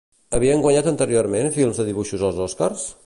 Havien guanyat anteriorment films de dibuixos als Oscars?